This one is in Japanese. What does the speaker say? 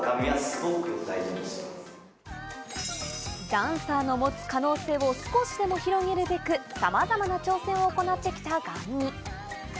ダンサーの持つ可能性を少しでも広げるべく、さまざまな挑戦を行ってきたＧＡＮＭＩ。